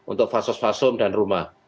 untuk fasos fasom dan rumah